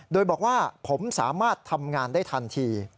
โดยบอกว่าผมสามารถทำงานได้ทันที